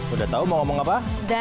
udah tau mau ngomong apa